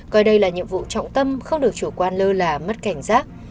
coi đây là nhiệm vụ trọng tâm không được chủ quan lơ là mất cảnh giác